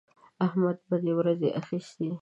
احمد بدې ورځې اخيستی دی.